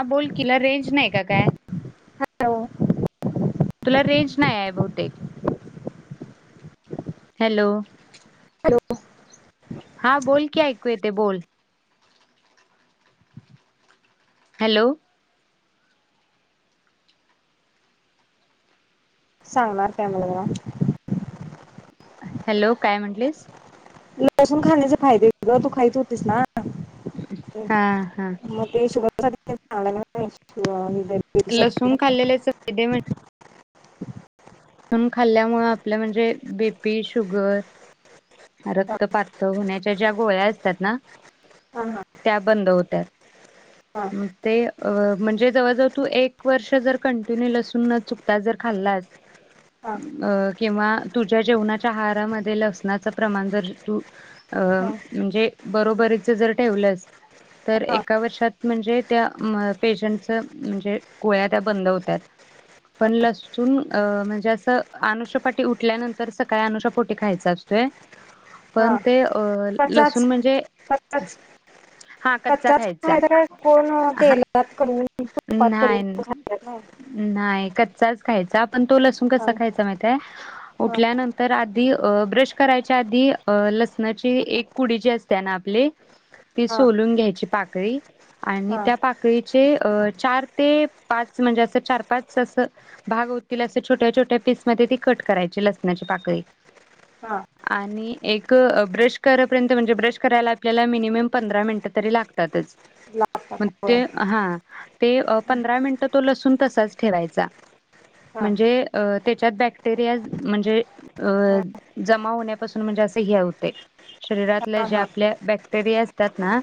ह बोल तिला रेंज नाही का काय हॅलो तुला रेंज - - नायाय बहुतेक - - हॅलो. हॅलो हा बोल की ऐकू येते बोल - - हॅलो. सांगणार काय मला जरा हॅलो काय म्हंटलीस लसूण खाण्याचे फायदे ग तू खाईत होतेस ना. हा हा म ते शुभ [unintelligible] लसूण खाल्लेल्या च फायदे म्हण [inaudible] लसूण खाल्ल्यामुळें आपल्या म्हणजे बीपी शुगर हा रक्तपातळ होण्याच्या ज्या गोळ्या असतात ना हा त्या बंद होत्यात. हा ते अ म्हणजे. जवळ जवळ तू एक वर्ष जर कंटन्यू लसूण न चुकता जर खाल्लास हा अ! किंवा तुझ्या जेवणाच्या आहारामध्ये लसनाचं प्रमाण जर तू हा म्हणजे बरोबरीचं जर ठेवलंस तर हा एका वर्षात म्हणजे त्या पेशंटचं म्हणजे गोळ्या त्या बंद होत्याात पण लसून अ म्हणजे सं अनुशापाटी उठल्यानंतर सकाळी अनुषापोटी खायचा असतोय. पण हा ते अ लसूण कच्चाच म्हणजे कच्चाच हा कच्चा कच्चाच खायचा काय कोण तेलात करून तुपात करून न्हाय खायला नाही न्हाय कच्चा च खायचा पण तो लसूण हां सकाळचं माहितय हां उठल्यानंतर आधी ब्रश करायचा आधी अ लसणाची एक कुडी जी असते ना. ती हां सोडून घ्यायची पाक [unintelligible] आणि हां त्या पाकळीचे अ चार ते पाच म्हणजे अस चार पाच अस भाग होतील असे. छोट्या छोट्या पीस मध्ये ती कट करायची लसणाची पाकळी हां आणि. एक ब्रश करापर्यंत म्हणजे ब्रश करायला आपल्याला मिनिमम पंधरा मिनिटं तरी लागतातच. लागतात न होय ते हा ते पंधरा मिनिटं तो लसून तसाच ठेवायचा. हां म्हणजे अ त्याच्यात बॅक्टेरिया म्हणजे हां जमा होण्यापासून म्हणजे असे हे होतेय. शरीरातल्या हां हां ज्या आपल्या बॅक्टेरिया. त्यात ना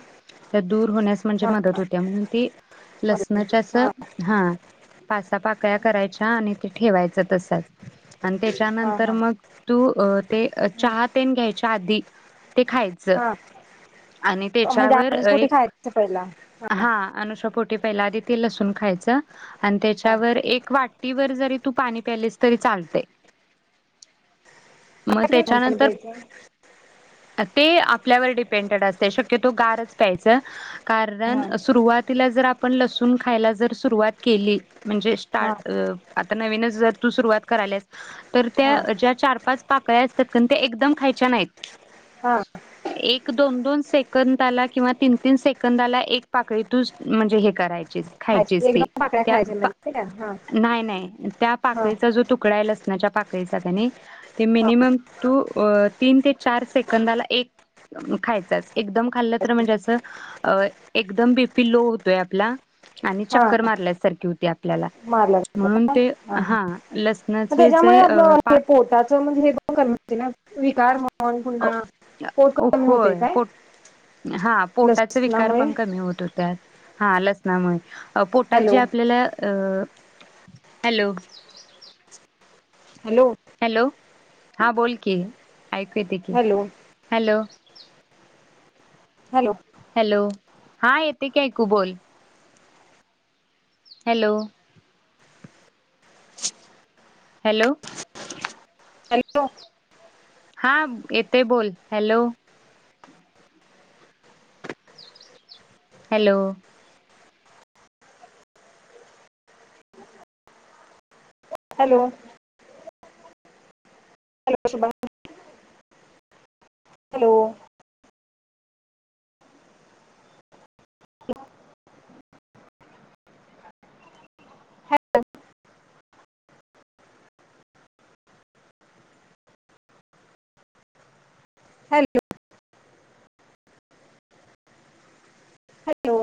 त्यात दूर होण्यास मनजे हां हां मदत होते म्हणून ति हां लसणाची अस पाच सहा पाक काय करायच्या आणि ठेवायच तसच. आणि हां त्याच्यानंतर मग तू, [unintelligible] ते चहा तेन घ्यायचे. आधी. ते खायचं हां हां आणि म्हणजे त्याच्यावर अनसपोटी एक खायचं पहिला हा अनुषापोट पहिल आधी ते लसून खायच. आणि हां त्याच्यावर एक वाटीवर जरी, तू पाणी प्यालेस तरी चालते. [unintelligible] ते आपल्यावर डिपेंडेड असते शक्यतो गारच प्यायचं. कारण सुरुवातीला जर आपण पण लसूण खायला जर सुरुवात केली. म्हणजे हा स्टार्ट, [unintelligible] तु सुरुवात करल्यास तर हा त्या ज्या चार पाच पा का असतात ते एकदम खायच्या नाही हा एक दोन दोन सेकंदला किंवा तीन तीन सेकंदला एक पाकळीतून म्हणजे हे करायच. खाय एकदम पाकळया खायच्या म्हज ठीक आहे. हा नाही नाही त्या हा पाकळीचा जो तुकडा आहे लसणाच्या पाकळी हा मिनमम तू तीन ते चार सेकंदाला एक खायच असतय. एकदम खाल्लं तर म्हणजे असं अ एकदम बीपी लो होतोय, आपला आणि हा चक्कर मारल्यासारखी होती आपल्याला मारल्यानंतर म्हणून, हा ते हा लसणाचे त्याच्यामुळे जे अ, पा आपलं पोटाच म्हणजे हे पण कमी होतील लाना विकार म्ह होय काय पोट हा आं पोटाचे विकार लसणामुळे पण कमी होत होत्यात, हा लसनामुळे, पोटात जे हॅलो आपल्याला अं हॅलो हॅलो हॅलो, हा बोलकी, ऐकू येत, की हॅलो हॅलो, हॅलो हॅलो हा येतयं, की ऐकू बोल. हॅलो हॅलो हॅलो हा येतयं बोल, हॅलो हॅलो, हॅलो हॅ [unintelligible] हॅलो हॅलो हॅलो